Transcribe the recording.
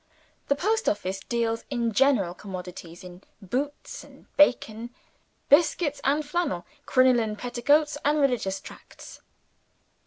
The post office deals in general commodities in boots and bacon, biscuits and flannel, crinoline petticoats and religious tracts.